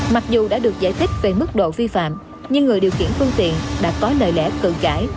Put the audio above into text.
mặc dù đã được giải thích về mức độ vi phạm nhưng người điều khiển phương tiện đã có lời lẽ cự cãi